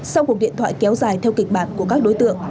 sau cuộc điện thoại kéo dài theo kịch bản của các đối tượng